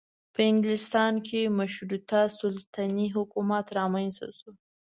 په انګلستان کې مشروطه سلطنتي حکومت رامنځته شو.